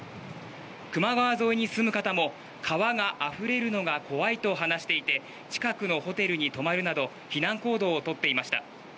球磨川沿いに住む方も川があふれるのが怖いと話していて近くのホテルに泊まるなど避難行動を取っていました。